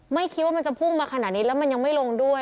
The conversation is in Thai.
ไม่คิดว่ามันจะพุ่งมาขนาดนี้แล้วมันยังไม่ลงด้วย